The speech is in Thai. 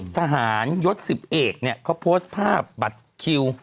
ทหารยศ๑๑เขาโพสต์ภาพบัตรคิว